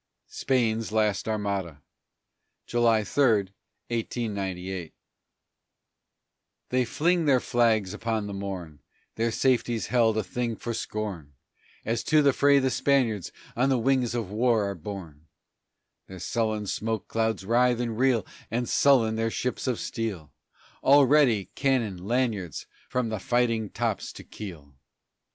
SPAIN'S LAST ARMADA [July 3, 1898] They fling their flags upon the morn, Their safety's held a thing for scorn, As to the fray the Spaniards on the wings of war are borne; Their sullen smoke clouds writhe and reel, And sullen are their ships of steel, All ready, cannon, lanyards, from the fighting tops to keel.